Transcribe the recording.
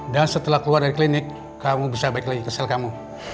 setelah keluar dari klinik kamu bisa balik lagi ke sel kamu